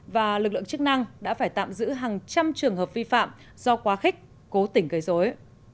và lực lượng chức năng đã phải tạm giữ hàng trăm trường hợp vi phạm do quá khích cố tình gây dối